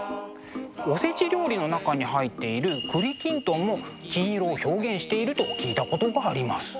おせち料理の中に入っている栗きんとんも金色を表現していると聞いたことがあります。